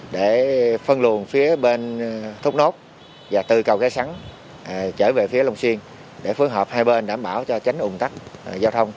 để phân luồng phía bên thốt nốt và từ cầu ghe sắn trở về phía long xuyên để phối hợp hai bên đảm bảo cho tránh ủng tắc giao thông